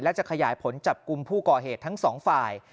และจะขยายผลจับกลุ่มผู้ก่อเหตุทั้งสองฝ่าย